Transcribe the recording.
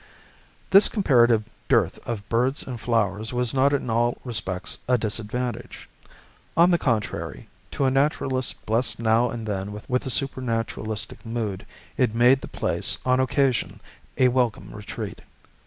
This comparative dearth of birds and flowers was not in all respects a disadvantage. On the contrary, to a naturalist blessed now and then with a supernaturalistic mood, it made the place, on occasion, a welcome retreat.